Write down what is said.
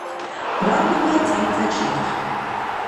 მრავლდებიან წელიწადში ერთხელ.